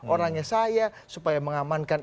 orangnya saya supaya mengamankan